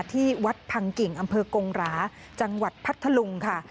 ที่วัดพังกิ่งอำเภอกงหราจังหวัดพัทธลุงค่ะ